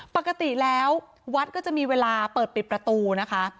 ปกติแล้ววัดก็จะมีเวลาเปิดปิดประตูนะคะ